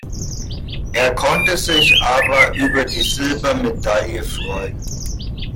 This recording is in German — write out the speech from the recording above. Er konnte sich aber über die Silbermedaille freuen.